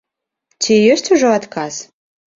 Ці ёсць ужо адказ?